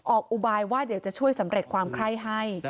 อุบายว่าเดี๋ยวจะช่วยสำเร็จความไข้ให้